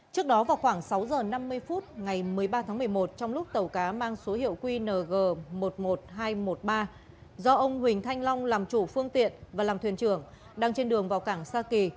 trước đó vào khoảng sáu h năm mươi phút ngày một mươi ba tháng một mươi một trong lúc tàu cá mang số hiệu qng một mươi một nghìn hai trăm một mươi ba do ông huỳnh thanh long làm chủ phương tiện và làm thuyền trưởng đang trên đường vào cảng sa kỳ